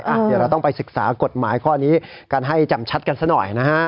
เดี๋ยวเราต้องไปศึกษากฎหมายข้อนี้กันให้จำชัดกันซะหน่อยนะฮะ